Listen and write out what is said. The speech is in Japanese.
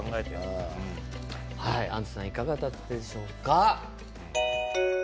あんずさんいかがだったでしょうか。